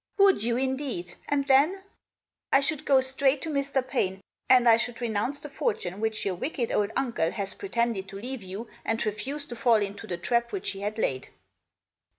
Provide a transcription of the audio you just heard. " Would you indeed ? And then ?"" I should go straight to Mr. Paine, and I should renounce the fortune which your wicked old uncle has pretended to leave you, and refuse to fall into the trap which he had laid."